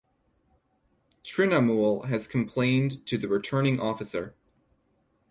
Trinamool has complained to the Returning Officer.